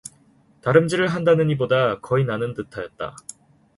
달음질을 한다느니보다 거의 나는 듯하였다.